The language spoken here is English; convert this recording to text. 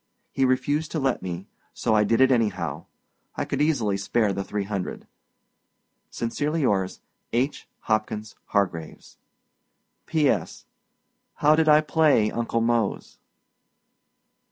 He refused to let me, so I did it anyhow. I could easily spare the three hundred. Sincerely yours, H. HOPKINS HARGRAVES. P.S. How did I play Uncle Mose?